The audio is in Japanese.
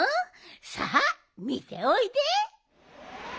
さあみておいで。